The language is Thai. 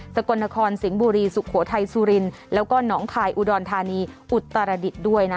กลนครสิงห์บุรีสุโขทัยสุรินแล้วก็หนองคายอุดรธานีอุตรดิษฐ์ด้วยนะ